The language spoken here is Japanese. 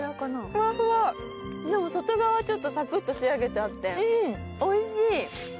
でも外側はちょっとさくっと仕上げてあっておいしい。